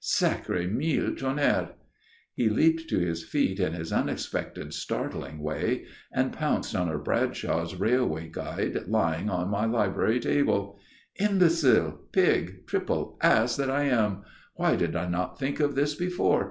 Sacré mille tonnerres!" He leaped to his feet in his unexpected, startling way, and pounced on a Bradshaw's Railway Guide lying on my library table. "Imbecile, pig, triple ass that I am! Why did I not think of this before?